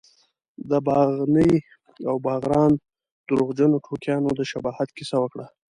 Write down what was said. د باغني او باغران درواغجنو ټوکیانو د شباهت کیسه وکړه.